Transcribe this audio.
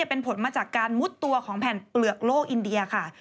เป็นผลมาจากการมุดตัวของแผ่นเปลือกโลกอินเดียค่ะ